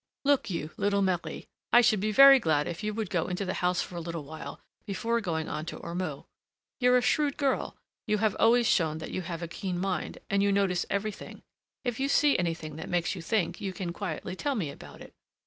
"Look you, little Marie, I should be very glad if you would go into the house for a little while before going on to Ormeaux: you're a shrewd girl, you have always shown that you have a keen mind, and you notice everything. If you see anything that makes you think, you can quietly tell me about it."